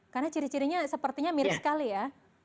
karena ciri cirinya sepertinya mirip sekali ya